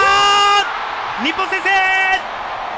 日本、先制！